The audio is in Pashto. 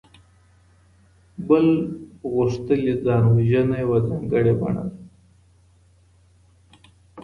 بل غوښتلې ځان وژنه يوه ځانګړې بڼه ده.